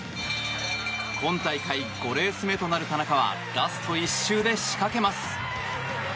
今大会５レース目となる田中はラスト１周で仕掛けます。